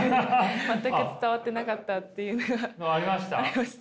全く伝わってなかったっていうのがありました。